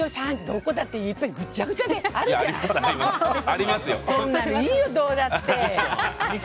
どこだっていっぱいぐちゃぐちゃであるじゃない。